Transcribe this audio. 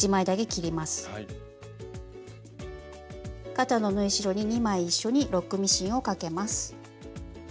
肩の縫い代に２枚一緒にロックミシンをかけます。